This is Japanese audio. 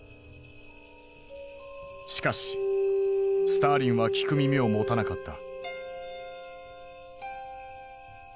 しかしスターリンは聞く耳を持たなかった。